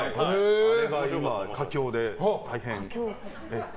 あれが今、佳境で。